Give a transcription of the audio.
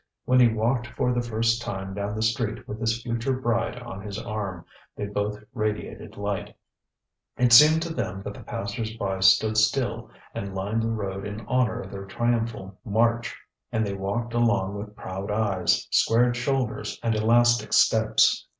When he walked for the first time down the street with his future bride on his arm, they both radiated light; it seemed to them that the passers by stood still and lined the road in honour of their triumphal march; and they walked along with proud eyes, squared shoulders and elastic steps.